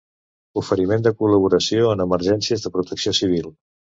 Oferiment de col·laboració en emergències de protecció civil.